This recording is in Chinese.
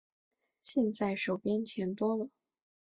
现在手边钱多了